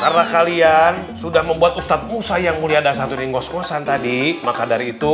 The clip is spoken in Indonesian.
karena kalian sudah membuat ustadz musa yang mulia dasar turingos kosa tadi maka dari itu